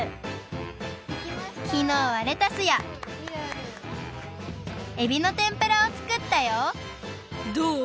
きのうはレタスやエビのてんぷらをつくったよどう？